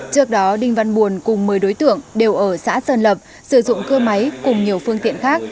trước đó đinh văn buồn cùng một mươi đối tượng đều ở xã sơn lập sử dụng cưa máy cùng nhiều phương tiện khác